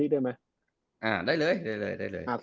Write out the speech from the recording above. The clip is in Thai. ได้เลย